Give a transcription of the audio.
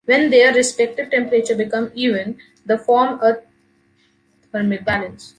When their respective temperature become even, the form a thermic balance.